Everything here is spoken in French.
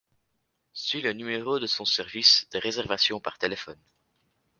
Suit le numéro de son service de réservation par téléphone.